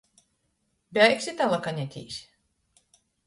Beigsi talakanētīs?